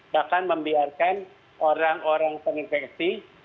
bahkan membiarkan orang orang terinfeksi